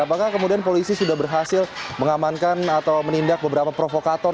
apakah kemudian polisi sudah berhasil mengamankan atau menindak beberapa provokator